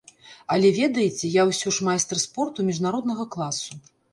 Але, ведаеце, я ўсё ж майстар спорту міжнароднага класу.